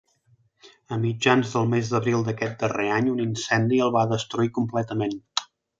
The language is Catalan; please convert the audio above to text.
A mitjans del mes d'abril d'aquest darrer any, un incendi el va destruir completament.